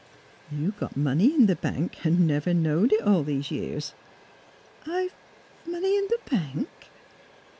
You got money in the bank, an' never knowed it all these years." " I Money in the bank?